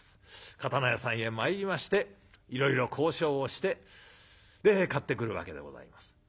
刀屋さんへ参りましていろいろ交渉をしてで買ってくるわけでございます。